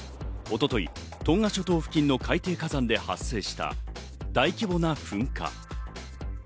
一昨日、トンガ諸島付近の海底火山で発生した大規模な噴火。